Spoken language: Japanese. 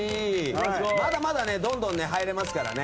まだまだどんどん入れますからね。